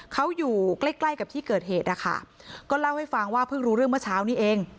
เขาอยู่ใกล้ใกล้กับที่เกิดเหตุนะคะก็เล่าให้ฟังว่าเพิ่งรู้เรื่องเมื่อเช้านี้เอง